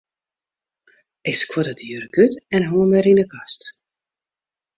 Ik skuorde de jurk út en hong him wer yn 'e kast.